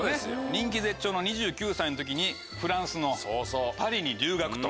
人気絶頂の２９歳の時にフランスのパリに留学と。